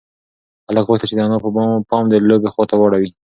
هلک غوښتل چې د انا پام د لوبې خواته واړوي.